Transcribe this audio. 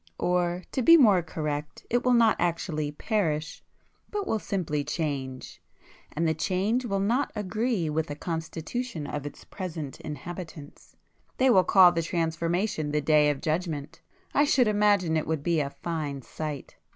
Or, to be more correct, it will not actually perish, but will simply change. And the change will not agree with the constitution of its present inhabitants. They will call the transformation the Day of Judgment. I should imagine it would be a fine sight."